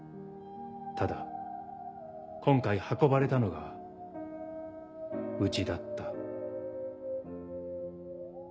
ただ今回運ばれたのがうちだった。